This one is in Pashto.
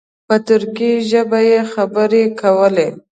په ترکي ژبه یې خبرې کولې.